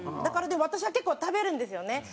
私は結構食べるんですよね。